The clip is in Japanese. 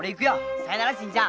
さよなら真ちゃん。